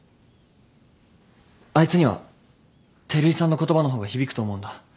あいつには照井さんの言葉の方が響くと思うんだ。